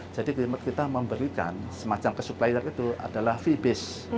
jadi kita memberikan semacam ke supplier itu adalah fee base